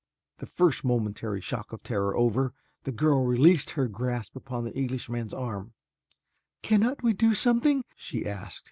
The first momentary shock of terror over, the girl released her grasp upon the Englishman's arm. "Cannot we do something?" she asked.